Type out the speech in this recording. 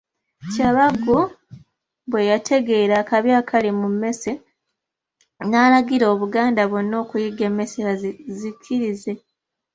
Kyabaggu bwe yategeera akabi akali mu mmese, n'alagira Obuganda bwonna okuyigga emmese bazizikirize.